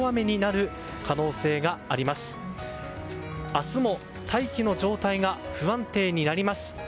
明日も大気の状態が不安定になります。